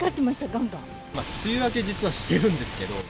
梅雨明け、実はしてるんですけど。